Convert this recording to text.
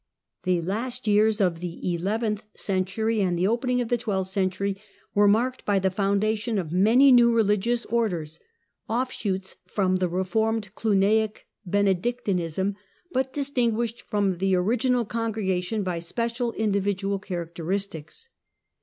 The last years of the eleventh century and the opening of the twelfth century were marked by the foundation of many new religious Orders, offshoots from the reformed Cluniac Benedictinism, but distinguished from the original congregation by special individual characteristics.